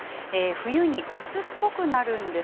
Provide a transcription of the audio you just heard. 冬に、うつっぽくなるんです。